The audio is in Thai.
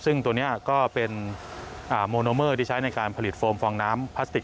ซึ่งตัวนี้ก็เป็นโมโนเมอร์ที่ใช้ในการผลิตโฟมฟองน้ำพลาสติก